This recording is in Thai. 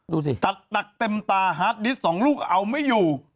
ดูสิจัดหนักเต็มตาฮาร์ดดิสต์สองลูกเอาไม่อยู่